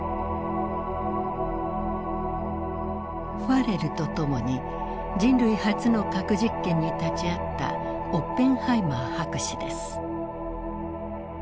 ファレルと共に人類初の核実験に立ち会ったオッペンハイマー博士です。